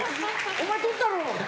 「お前取ったろ」って。